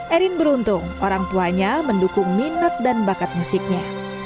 erin beruntung orang tuanya mendukung minat dan bakat musiknya